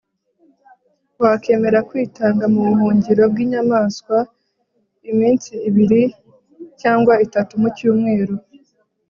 Wakwemera kwitanga mubuhungiro bwinyamanswa iminsi ibiri cyangwa itatu mucyumweru